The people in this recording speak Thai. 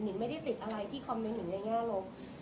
หนึ่งไม่ได้ติดอะไรที่คอมเมนต์อยู่ในแง่โลก